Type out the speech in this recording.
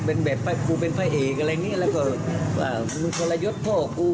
เป็นแบบครูเป็นภายเอกอะไรอย่างนี้แล้วก็ว่ามึงคนละยศพ่อครู